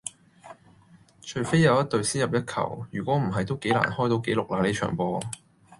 除非有一隊先入一球,如果唔係都幾難開到紀錄啦呢場波